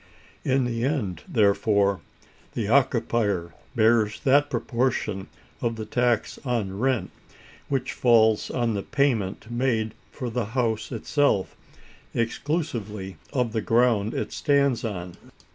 In the end, therefore, the occupier bears that portion of a tax on rent which falls on the payment made for the house itself, exclusively of the ground it stands on.